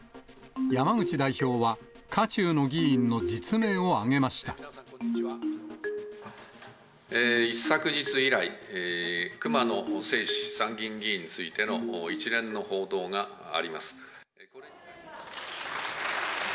山口代表は渦中の議員の実名を挙一昨日以来、熊野正士参議院議員についての、一連の報道があります。